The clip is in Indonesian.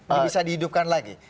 yang bisa dihidupkan lagi